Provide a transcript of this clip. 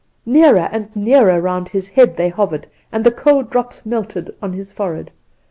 "Nearer and nearer round his head they hovered, and the cold drops melted on his forehead.